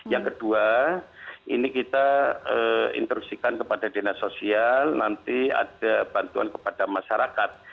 yang kedua ini kita instruksikan kepada dinas sosial nanti ada bantuan kepada masyarakat